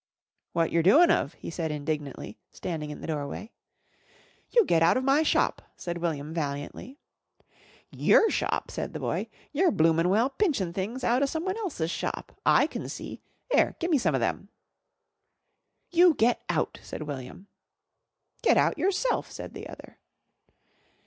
"What yer doin' of?" he said indignantly, standing in the doorway. "You get out of my shop," said William valiantly. "Yer shop?" said the boy. "Yer bloomin' well pinchin' things out o' someone else's shop, I can see. 'Ere, gimme some of them." "You get out!" said William. "Get out yerself!" said the other.